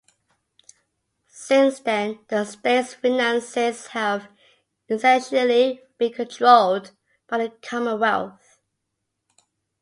Since then the states' finances have essentially been controlled by the Commonwealth.